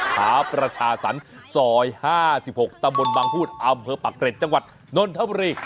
ขาประชาสรรค์ซอย๕๖ตำบลบางพูดอำเภอปักเกร็ดจังหวัดนนทบุรี